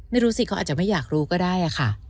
ไม่รู้สิเขาอาจจะไม่อยากรู้ก็ได้ค่ะ